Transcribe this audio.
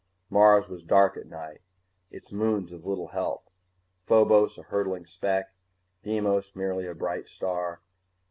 Mars was dark at night, its moons of little help Phobos a hurtling speck, Deimos merely a bright star.